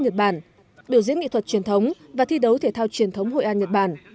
nhật bản biểu diễn nghệ thuật truyền thống và thi đấu thể thao truyền thống hội an nhật bản